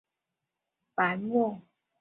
白木乌桕为大戟科乌桕属下的一个种。